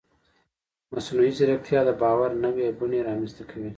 مصنوعي ځیرکتیا د باور نوې بڼې رامنځته کوي.